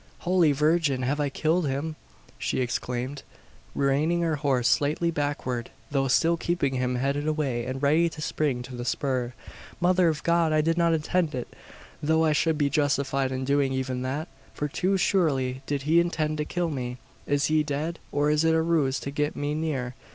"Holy Virgin! have I killed him?" she exclaimed, reining her horse slightly backward, though still keeping him headed away, and ready to spring to the spur. "Mother of God! I did not intend it though I should be justified in doing even that: for too surely did he intend to kill me! Is he dead, or is it a ruse to get me near?